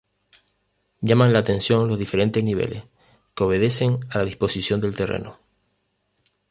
Llaman la atención los diferentes niveles, que obedecen a la disposición del terreno.